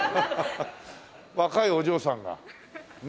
若いお嬢さんがねえ。